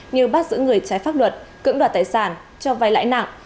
như bắt giữ người trái pháp luật cưỡng đoạt tài sản cho vai lãi nặng